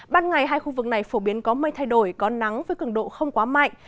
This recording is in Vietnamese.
ban ngày hai khu vực này phổ biến có mây thay đổi có nắng với cứng độ không quá mạnh